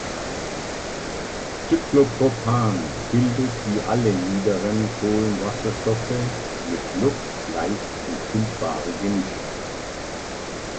Cyclopropan bildet wie alle niederen Kohlenwasserstoffe mit Luft leicht entzündbare Gemische.